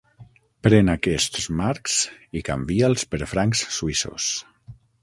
Pren aquests marcs i canvia'ls per francs suïssos.